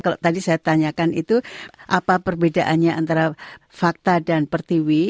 kalau tadi saya tanyakan itu apa perbedaannya antara fakta dan pertiwi